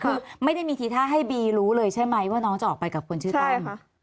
คือไม่ได้มีทีท่าให้บีรู้เลยใช่ไหมว่าน้องจะออกไปกับคนชื่อตั้ม